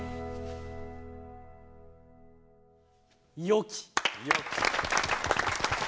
よき。